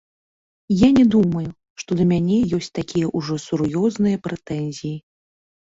Я не думаю, што да мяне ёсць такія ўжо сур'ёзныя прэтэнзіі.